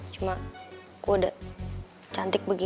cuma gue udah cantik begitu